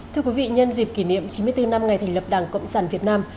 thưa quý vị nhân dịp kỷ niệm chín mươi bốn năm ngày thành lập đảng cộng sản việt nam